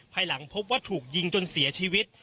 ภายหลังพบว่าถูกยิงจนเสียชีวิต